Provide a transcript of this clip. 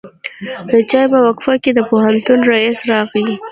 د چای په وقفه کې د پوهنتون رئیس راغی.